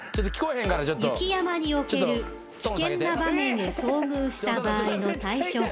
［雪山における危険な場面へ遭遇した場合の対処法］